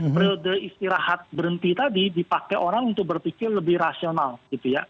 periode istirahat berhenti tadi dipakai orang untuk berpikir lebih rasional gitu ya